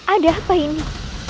ada apa ini